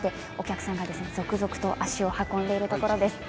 お客さんが続々と足を運んでいるところです。